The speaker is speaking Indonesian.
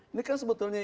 ini kan sebetulnya